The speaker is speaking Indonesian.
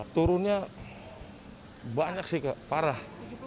turunnya banyak sih kak parah